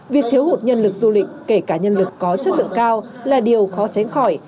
việc thiếu hụt nhân lực du lịch kể cả nhân lực có chất lượng cao là điều khó tránh khỏi